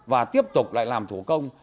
và tiếp tục lại làm thủ công